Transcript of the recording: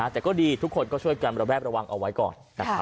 แต่ก็ดีทุกคนก็ช่วยกันระแวดระวังเอาไว้ก่อนนะครับ